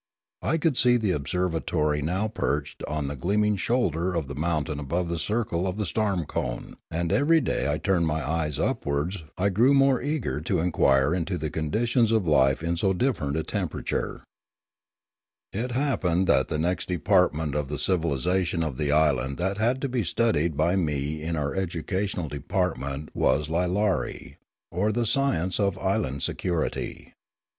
I could see the observa tory now perched on the gleaming shoulder of the mountain above the circle of the storm cone, and every day I turned my eyes upwards I grew more eager to inquire into the conditions of life in so different a temperature. 174 The Lilaran 175 It happened that the next department of the civilisa tion of the island that had to be studied by me in our educational development was Lilarie, or the science of islandsecurity.